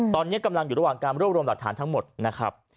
ตอนนี้กำลังอยู่ระหว่างการรวบรวมหลักฐานทั้งหมดนะครับ